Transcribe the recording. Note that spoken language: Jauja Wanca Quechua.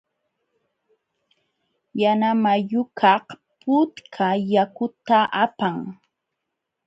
Yanamayukaq putka yakuta apan.